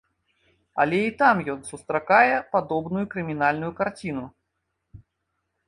Але і там ён сустракае падобную крымінальную карціну.